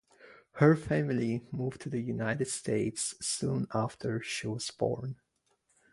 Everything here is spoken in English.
Her family moved to the United States soon after she was born.